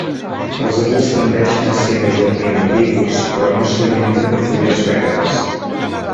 Els adults tendeixen a ser majorment herbívors, però no s'alimenten de fulles verdes.